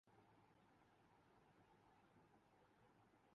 آج انتخابات ہوں۔